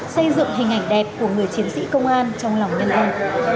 xây dựng hình ảnh đẹp của người chiến sĩ công an trong lòng nhân dân